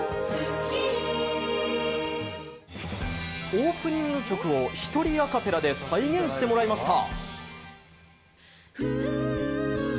オープニング曲を一人アカペラで再現してもらいました。